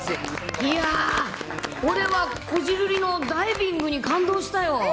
いやー、俺は、こじるりのダイビングに感動したよ。